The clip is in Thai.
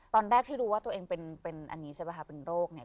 ตอนแรกที่รู้ว่าตัวเองเป็นอันนี้ใช่ไหมคะเป็นโรคเนี่ย